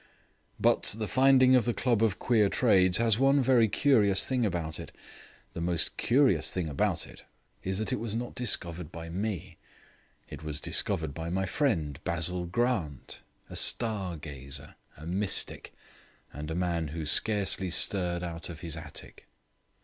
But the finding of the Club of Queer Trades has one very curious thing about it. The most curious thing about it is that it was not discovered by me; it was discovered by my friend Basil Grant, a star gazer, a mystic, and a man who scarcely stirred out of his attic.